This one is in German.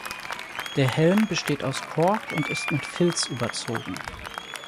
Der Helm besteht aus Kork und ist mit Filz überzogen.